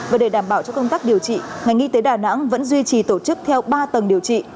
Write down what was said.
và để đảm bảo cho công tác điều trị ngành y tế đà nẵng vẫn duy trì tổ chức theo ba tầng điều trị